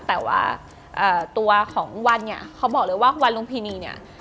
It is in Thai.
แต่ว่าตัวของวันเขาบอกเลยว่าวันรุงพีนี